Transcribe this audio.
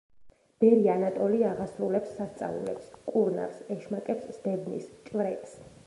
ბერი ანატოლი აღასრულებს სასწაულებს, კურნავს, ეშმაკებს სდევნის, ჭვრეტს.